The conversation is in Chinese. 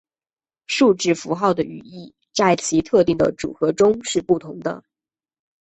数字符号的语义在其特定的组合中是不同的。